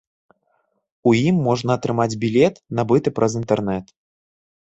У ім можна атрымаць білет, набыты праз інтэрнэт.